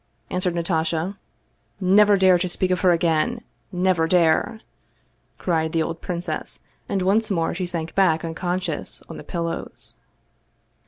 " answered Natasha. " Never dare to speak of her again ! Never dare !" cried the old princess, and once more she sank back unconscious on the pillows.